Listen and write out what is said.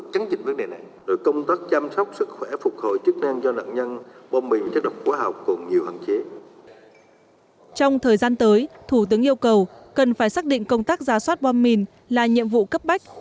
thể hiện công tác giả soát bom mìn là nhiệm vụ cấp bách thể hiện công tác giả soát bom mìn là nhiệm vụ cấp bách